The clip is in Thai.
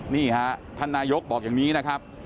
นี่ฮะท่านนายกบอกอย่างนี้นะครับ